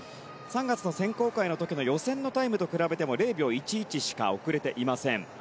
３月の選考会の時の予選のタイムと比べても０秒１１しか遅れていません。